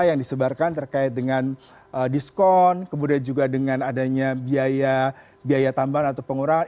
yang disebarkan terkait dengan diskon kemudian juga dengan adanya biaya tambahan atau pengurangan